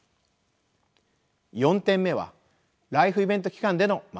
４点目はライフイベント期間での学び直しです。